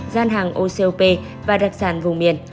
gian hàng ocop và đặc sản vùng miền